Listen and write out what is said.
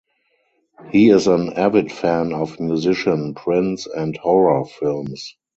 He is an avid fan of musician Prince and horror films.